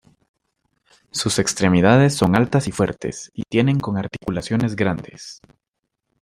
Sus extremidades son altas y fuertes y tienen con articulaciones grandes.